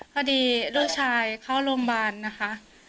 พอดีลูกชายเข้าโรงพยาบาลนะคะ